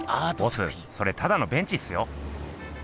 ボスそれただのベンチっすよ。